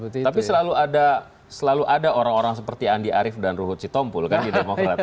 tapi selalu ada orang orang seperti andi arief dan ruhut sitompul kan di demokrat